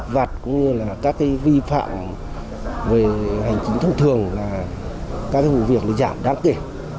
các vật cũng như là các cái vi phạm về hành chính thông thường là các cái vụ việc nó giảm đáng kể